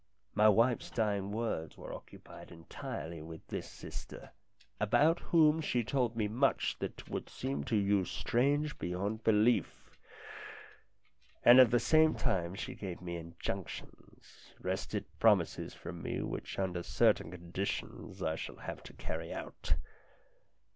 My wife's dying words were occupied entirely with this sister, about whom she told me much that would seem to you strange beyond belief; and at the time she gave me injunctions, wrested promises from me which, under certain conditions, I shall have to carry out.